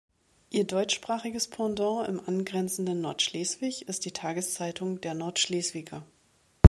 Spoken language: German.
Ihr deutschsprachiges Pendant im angrenzenden Nordschleswig ist die Tageszeitung "Der Nordschleswiger".